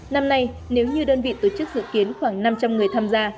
năm nay nếu như đơn vị tổ chức dự kiến khoảng năm trăm linh người tham gia